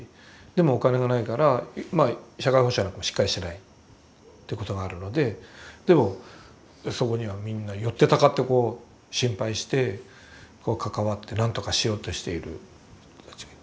でもお金がないから社会保障なんかしっかりしてないということがあるのででもそこにはみんな寄ってたかってこう心配してこう関わってなんとかしようとしている人たちがいて。